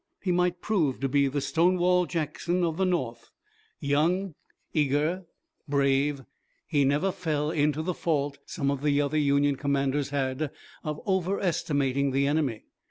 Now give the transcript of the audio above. He might prove to be the Stonewall Jackson of the North. Young, eager, brave, he never fell into the fault some of the other Union commanders had of overestimating the enemy.